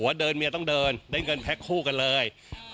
ว่าเดินเมียต้องเดินได้เงินแพ็คคู่กันเลย